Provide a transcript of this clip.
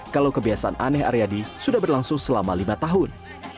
kalau kebiasaan aneh aryadi sudah berlangsung selama lima tahun